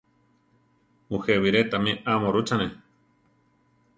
Mujé biré tamé amo rutzane.